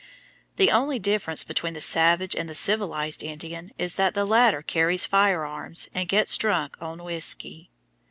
The only difference between the savage and the civilized Indian is that the latter carries firearms and gets drunk on whisky.